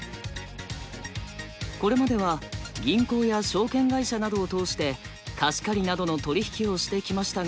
これまでは銀行や証券会社などを通して貸し借りなどの取り引きをしてきましたが。